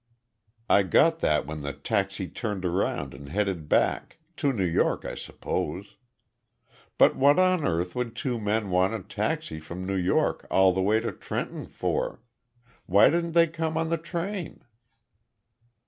"I got that when the taxi turned around and headed back to New York, I suppose. But what on earth would two men want to take a taxi from New York all the way to Trenton for? Why didn't they come on the train?"